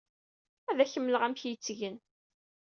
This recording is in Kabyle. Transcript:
Ad ak-d-mleɣ amek ay t-ttgen.